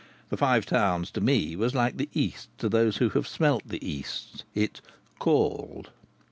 The Five Towns, to me, was like the East to those who have smelt the East: it "called."